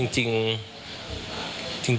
จริง